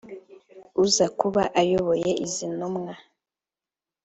uza kuba ayoboye izi ntumwa